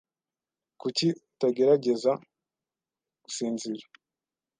Kuki utagerageza gusinzira?